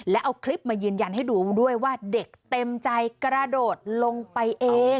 แล้วเอาคลิปมายืนยันให้ดูด้วยว่าเด็กเต็มใจกระโดดลงไปเอง